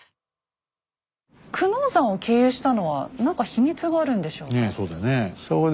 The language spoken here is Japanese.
久能山を経由したのは何か秘密があるんでしょうか？